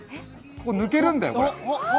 抜けるんだよ、これ。